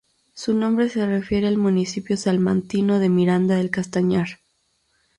Su nombre se refiere al municipio salmantino de Miranda del Castañar.